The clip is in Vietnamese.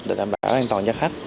để đảm bảo an toàn cho khách